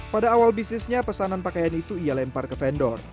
pada awal bisnisnya pesanan pakaian itu ia lempar ke vendor